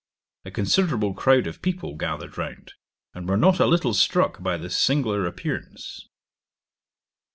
A considerable crowd of people gathered round, and were not a little struck by this singular appearance.'